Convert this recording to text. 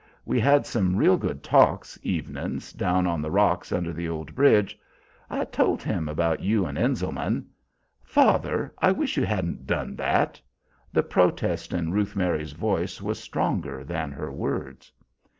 We had some real good talks, evenings, down on the rocks under the old bridge, I told him about you and Enselman" "Father, I wish you hadn't done that." The protest in Ruth Mary's voice was stronger than her words.